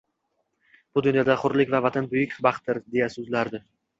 Bu dunyoda hurlik va Vatan buyuk baxtdir, deya soʻzlardi.